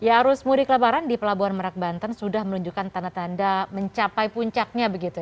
arusmudi kelabaran di pelabuhan merak banten sudah menunjukkan tanda tanda mencapai puncaknya